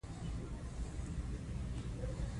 هیلۍ له ښکار چیانو ویره لري